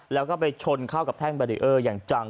แล้วก็ไปชนเข้ากับแท่งแบรีเออร์อย่างจัง